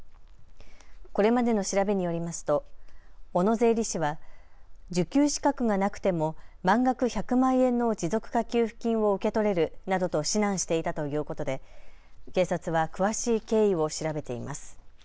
これまでの調べによりますと小野税理士は受給資格がなくても満額１００万円の持続化給付金を受け取れるなどと指南していたということで警察は詳しい経緯を調べています。